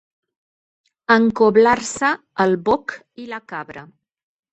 Encoblar-se el boc i la cabra.